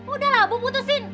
udahlah bu putusin